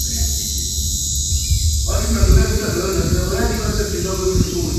ukumbali dhamana ya mtuhumiwa alitekeleza mashambulizi ya mabomu nchini nigeria